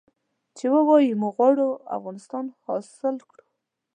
چې ووايي موږ غواړو افغانستان حاصل کړو.